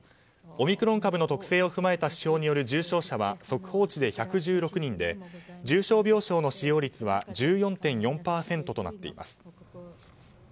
オミクロン株の特性を踏まえた指標による重症者は速報値で１１６人で重症病床の使用率は１４．４％となっています。